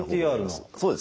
そうですね。